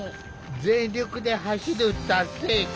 全力で走る達成感。